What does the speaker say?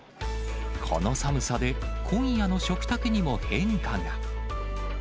この寒さで、今夜の食卓にも変化が。